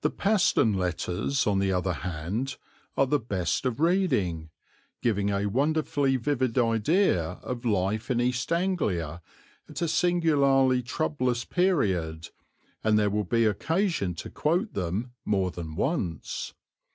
The Paston Letters on the other hand, are the best of reading, giving a wonderfully vivid idea of life in East Anglia at a singularly troublous period, and there will be occasion to quote them more than once.